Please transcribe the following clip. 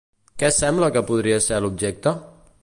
Què sembla que podria ser l'objecte?